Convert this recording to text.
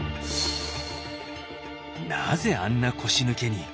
「なぜあんな腰抜けに」。